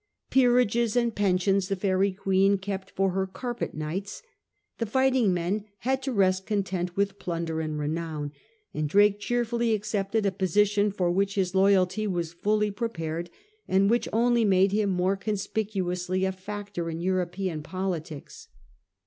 Peerages and pen sions the Faery Queen kept for her carpet knights. The fighting men had to rest content with plunder and renown ; and Drake cheerfully accepted a posi tion for which his loyalty was fully prepared and which only made him more conspicuously a factor in European politics.